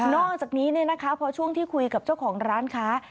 อกจากนี้พอช่วงที่คุยกับเจ้าของร้านค้า